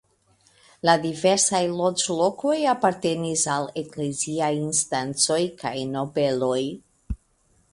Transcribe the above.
La diversaj loĝlokoj apartenis al ekleziaj instancoj kaj nobeloj.